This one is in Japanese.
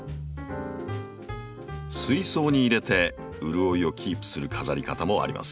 水槽に入れて潤いをキープする飾り方もあります。